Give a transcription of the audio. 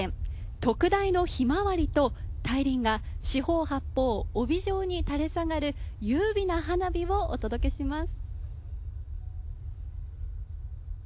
特大のひまわりと大輪が四方八方、帯状に垂れ下がる優美な花火をお届けます。